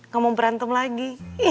gak mau berantem lagi